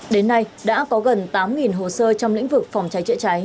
đến nay đã có gần tám hồ sơ trong lĩnh vực phòng cháy chữa cháy